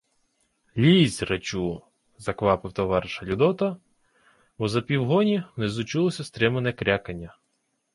— Лізь, речу! — заквапив товариша Людота, бо за півгоні внизу чулося стримане крякання.